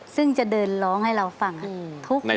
ซึ่งจะเดินร้องให้เราฟัง